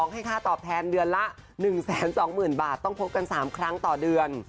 ให้ค่าตอบแทนเดือนละ๑๒๐๐๐บาทต้องพบกัน๓ครั้งต่อเดือน